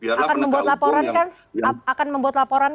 akan membuat laporan kan